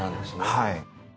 はい。